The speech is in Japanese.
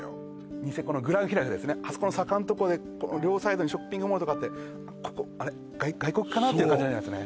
ニセコのグラン・ヒラフですねあそこの坂んところで両サイドにショッピングモールとかあって「ここあれ外国かな？」って感じになりますね